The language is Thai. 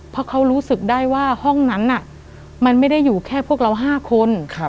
เพราะเขารู้สึกได้ว่าห้องนั้นมันไม่ได้อยู่แค่พวกเรา๕คน